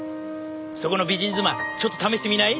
そこの美人妻ちょっと試してみない？